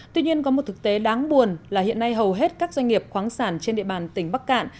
tuy nhiên có một thực tế đáng buồn là hiện nay hầu hết các doanh nghiệp khoáng sản trên địa bàn tỉnh bắc cạn